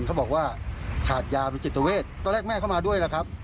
เขาบอกว่าขาดยาเป็นจิตเวทตอนแรกแม่เข้ามาด้วยแล้วครับ